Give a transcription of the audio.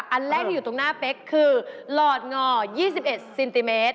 อันแรกที่อยู่ตรงหน้าเป๊กคือหลอดงอ๒๑เซนติเมตร